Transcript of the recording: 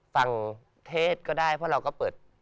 ประเทศก็ได้เพราะเราก็เปิด